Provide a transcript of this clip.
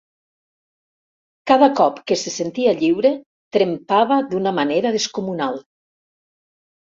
Cada cop que se sentia lliure trempava d'una manera descomunal.